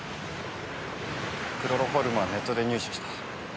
クロロホルムはネットで入手した。